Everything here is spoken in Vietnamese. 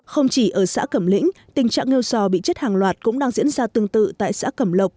không chỉ ở xã cẩm lĩnh tình trạng ngo bị chết hàng loạt cũng đang diễn ra tương tự tại xã cẩm lộc